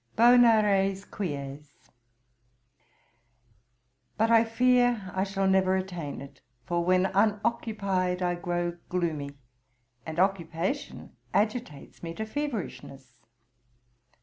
Bona res quies: but I fear I shall never attain it: for, when unoccupied, I grow gloomy, and occupation agitates me to feverishness.